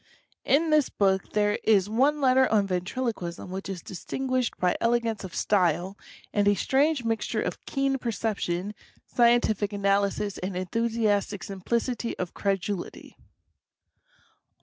In this book there is one letter on Ventriloquism which is distinguished by elegance of style and a strange mixture of keen perception, scientific analysis and enthusiastic simplicity of cred ulity.